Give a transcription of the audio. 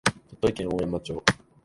鳥取県大山町